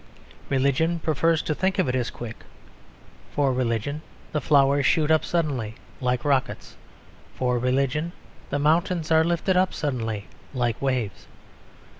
Religion prefers to think of it as quick. For religion the flowers shoot up suddenly like rockets. For religion the mountains are lifted up suddenly like waves.